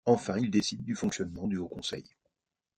Enfin, il décide du fonctionnement du Haut conseil.